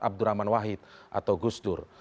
abdurrahman wahid atau gusdur